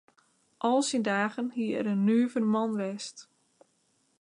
Al syn dagen hie er in nuver man west.